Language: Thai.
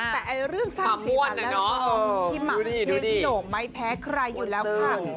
แต่เรื่องสร้างสินค้าแล้วพี่หมับพี่โหน่งไม่แพ้ใครอยู่แล้วค่ะ